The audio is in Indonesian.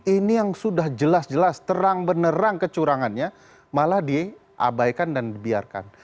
ini yang sudah jelas jelas terang benerang kecurangannya malah diabaikan dan dibiarkan